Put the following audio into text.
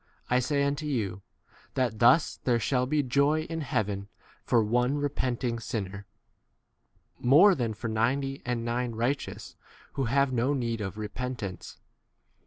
7 I say unto you, that thus there shall be joy in heaven for one re penting sinner, [more] than for ninety and nine righteous who k 8 have no need of repentance.